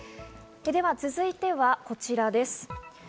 では続いてはこちらです。